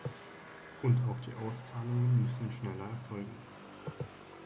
Und auch die Auszahlungen müssen schneller erfolgen.